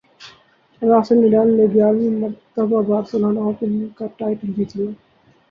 Rafael Nadal نے گیارہویں مرتبہ بارسلونا اوپن کا ٹائٹل جیت لیا